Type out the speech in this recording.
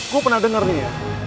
gue pernah denger nih ya